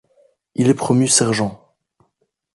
Il est promu sergent.